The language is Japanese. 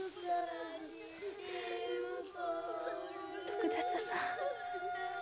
徳田様